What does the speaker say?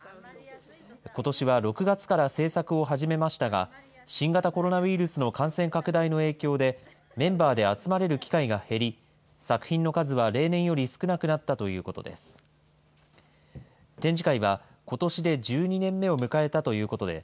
ことしは６月から制作を始めましたが、新型コロナウイルスの感染拡大の影響で、メンバーで集まれる機会が減り、作品の数は例年より少なくなったということです。